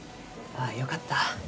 ああよかった。